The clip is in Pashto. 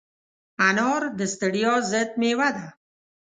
انار د ستړیا ضد مېوه ده.